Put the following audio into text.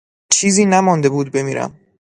چیزی نمانده بود بمیرم.